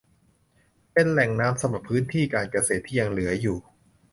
เป็นแหล่งน้ำสำหรับพื้นที่การเกษตรที่ยังเหลืออยู่